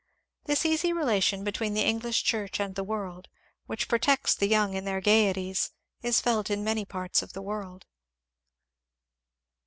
This easy relation between the English Church and the world, which protects the young in their gaieties, is felt in many parts of the world.